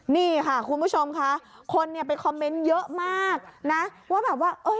นี่ค่ะคุณผู้ชมค่ะคนเนี่ยไปคอมเมนต์เยอะมากนะว่าแบบว่า